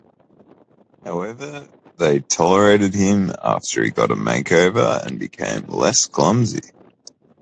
However, they tolerated him after he got a makeover and became less clumsy.